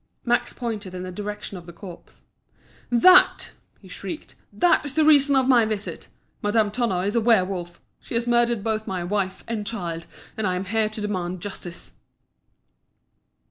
Max pointed in the direction of the corpse. "That!" he shrieked; "that is the reason of my visit. Madame Tonno is a werwolf she has murdered both my wife and child, and I am here to demand justice."